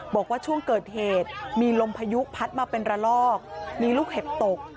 บอกว่าช่วงเกิดเหตุมีลมพายุพัดมาเป็นระลอกมีลูกเห็บตก